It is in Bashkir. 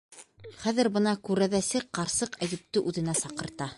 Хәҙер бына күрәҙәсе ҡарсыҡ Әйүпте үҙенә саҡырта.